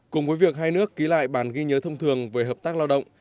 cùng với việc hai nước ký lại bản ghi nhớ thông thường về hợp tác lao động